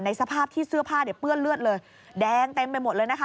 สภาพที่เสื้อผ้าเนี่ยเปื้อนเลือดเลยแดงเต็มไปหมดเลยนะคะ